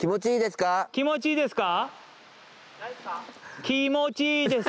気持ちいいですか？